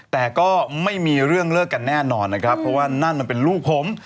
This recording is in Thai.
แต่ก็ไม่มีเรื่องเลิกกันแน่นอนนะครับเพราะว่านั่นมันเป็นลูกผม